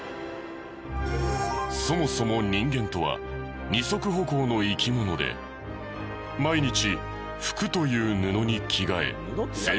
そもそも人間とは二足歩行の生き物で毎日服という布に着替え生活している。